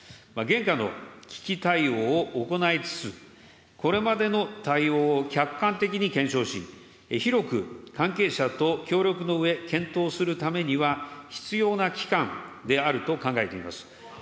現下の危機対応を行いつつ、これまでの対応を客観的に検証し、広く関係者と協力のうえ、検討するためには、必要な期間であると考えています。